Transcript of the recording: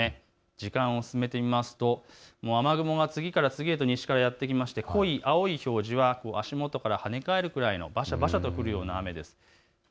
時間を進めてみますと雨雲が次から次へと西からやって来まして濃い青い表示は足元から跳ね返るくらいのばしゃばしゃと降るような雨です。